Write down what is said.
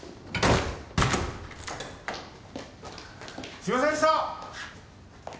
・すいませんでした！